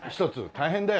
大変だよね